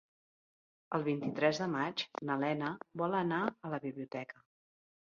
El vint-i-tres de maig na Lena vol anar a la biblioteca.